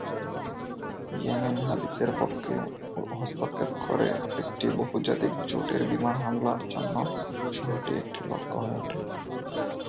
Yemen হাদীসের পক্ষে হস্তক্ষেপ করে একটি বহুজাতিক জোটের বিমান হামলার জন্য শহরটি একটি লক্ষ্য হয়ে ওঠে।